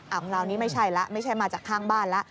เอาคราวนี้ไม่ใช่แล้วไม่ใช่มาจากข้างบ้านแล้ว